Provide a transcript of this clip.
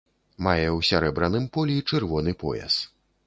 Мае ў сярэбраным полі чырвоны пояс.